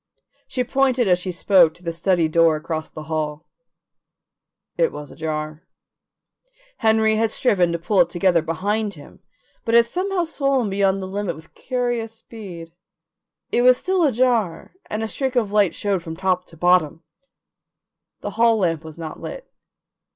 She pointed as she spoke to the study door across the hall; it was ajar. Henry had striven to pull it together behind him, but it had somehow swollen beyond the limit with curious speed. It was still ajar and a streak of light showed from top to bottom. The hall lamp was not lit.